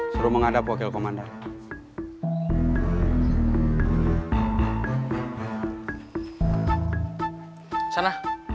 sana penghadap wakil komandan